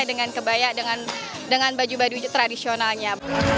dengan kebaya dengan baju baju tradisionalnya